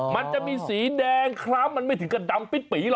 มันจะมีสีแดงคล้ำมันไม่ถึงกับดำปิดปีหรอก